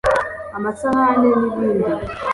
amasahane n’ibindi